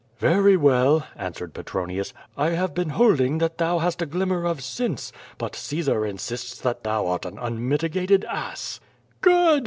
'' "Very well," answered Petronius, "I have been holding that thou hast a glimmer of sense, but Caesar insists that thou art an unmitigated ass." "Good!"